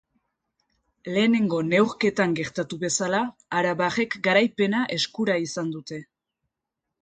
Lehenengo neurketan gertatu bezala, arabarrek garaipena eskura izan dute.